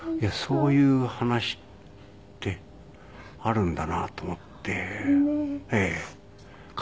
そういう話ってあるんだなと思って。